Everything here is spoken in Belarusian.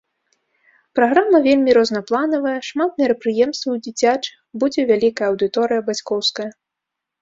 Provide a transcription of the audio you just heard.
Праграма вельмі рознапланавая, шмат мерапрыемстваў дзіцячых, будзе вялікая аўдыторыя бацькоўская.